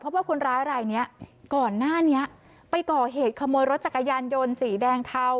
เพราะว่าคนร้ายรายนี้ก่อนหน้านี้ไปก่อเหตุขโมยรถจักรยานยนต์สีแดงเทา